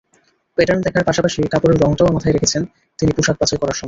Pattern দেখার পাশাপাশি কাপড়ের রংটাও মাথায় রেখেছেন তিনি পোশাক বাছাই করার সময়।